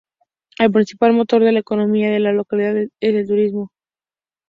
El principal motor de la economía de la localidad es el turismo.